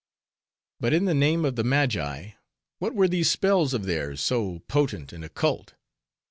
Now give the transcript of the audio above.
But in the name of the Magi, what were these spells of theirs, so potent and occult?